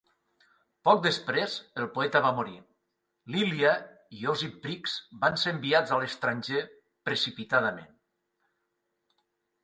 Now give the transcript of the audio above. Poc després, el poeta va morir. Lilya i Osip Briks van ser enviats a l'estranger precipitadament.